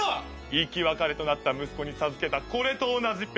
生き別れとなった息子に授けたこれと同じペンダント。